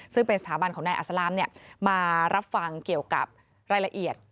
ซึ่งเป็นสถาบันของนายอัศลามมารับฟังเกี่ยวกับรายละเอียด